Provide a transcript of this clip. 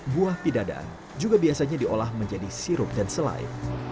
buah pidada juga biasanya diolah menjadi sirup dan selai